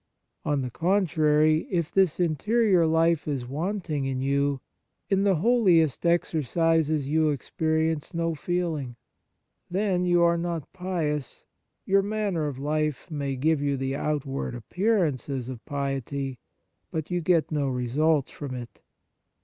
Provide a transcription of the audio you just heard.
On the con trary, if this interior life is wanting in you, in the holiest exercises you ex perience no feeling. Then, you are not pious ; your manner of life may give you the outward appearances of piety, but you get no results from it.